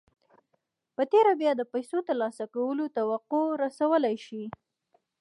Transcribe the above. په تېره بیا د پیسو ترلاسه کولو توقع رسولای شئ